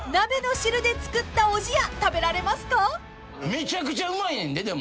めちゃくちゃうまいねんででも。